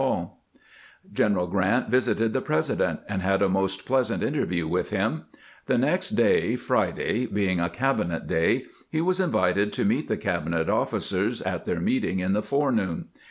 grant's last interview with LINCOLN 497 General Grant visited the President, and had a most pleasant interview with him. The next day (Friday) being a cabinet day, he was invited to meet the cabinet officers at their meeting in the forenoon.